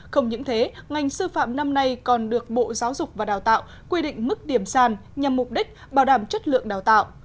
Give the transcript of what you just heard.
không những thế ngành sư phạm năm nay còn được bộ giáo dục và đào tạo quy định mức điểm sàn nhằm mục đích bảo đảm chất lượng đào tạo